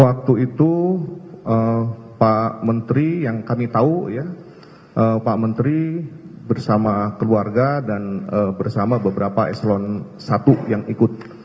waktu itu pak menteri yang kami tahu ya pak menteri bersama keluarga dan bersama beberapa eselon i yang ikut